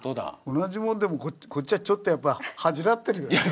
同じものでもこっちはちょっとやっぱ恥じらってるよね。